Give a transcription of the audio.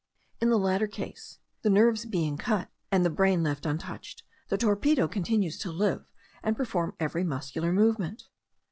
In the latter case, the nerves being cut, and the brain left untouched, the torpedo continues to live, and perform every muscular movement.